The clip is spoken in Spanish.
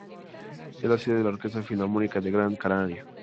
Es la sede de la Orquesta Filarmónica de Gran Canaria.